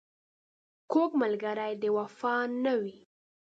کوږ ملګری د وفا نه وي